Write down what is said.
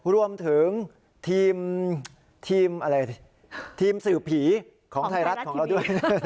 รวมถึงทีมเศื่อผีของไทยรัฐที่มี